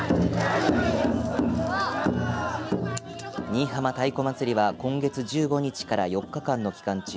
新居浜太鼓祭りは今月１５日から４日間の期間中